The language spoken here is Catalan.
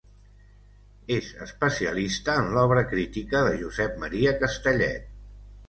És especialista en l'obra crítica de Josep Maria Castellet.